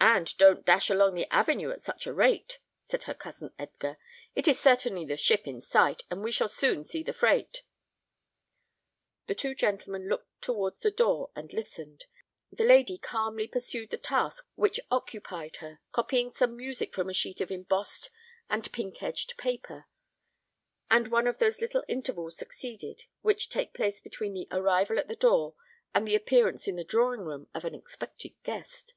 "And don't dash along the avenue at such a rate," said her cousin Edgar; "it is certainly the ship in sight, and we shall soon see the freight." The two gentlemen looked towards the door and listened, the lady calmly pursued the task which occupied her, copying some music from a sheet of embossed and pink edged paper; and one of those little intervals succeeded which take place between the arrival at the door and the appearance in the drawing room of an expected guest.